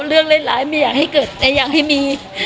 เรื่องร้ายไม่อยากให้เกิดแต่อยากให้มี